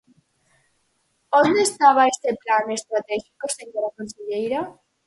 ¿Onde estaba ese plan estratéxico, señora conselleira?